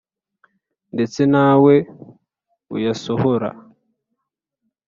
Ndetse nawe uyasohora